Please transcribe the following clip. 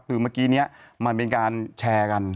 คือเมื่อกี้นี้มันเป็นการแชร์กัน